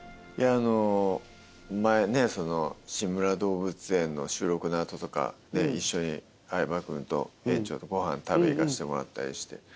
あの前ね『志村どうぶつ園』の収録の後とか一緒に相葉君と園長とごはん食べに行かせてもらったりして。